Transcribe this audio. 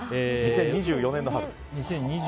２０２４年の春です。